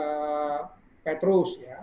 itu dulu petrus ya